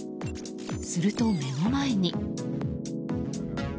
すると、目の前に。